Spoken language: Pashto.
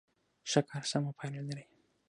ښه کار سمه پایله لري.